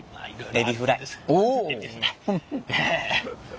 エビフライええ。